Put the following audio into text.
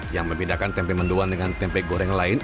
yang membedakan tempe mendoan dengan tempe goreng lain